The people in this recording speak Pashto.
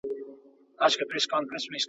ټول لګښت دي درکومه نه وېرېږم